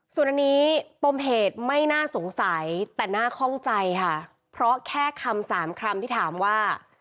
ส่วนอันนี้ปมเหตุไม่น่าสงสัยแต่น่าคล่องใจค่ะเพราะแค่คำสามคำที่ถามว่า